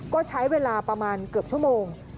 ก็ใช้เวลาประมาณเกือบชั่วโมง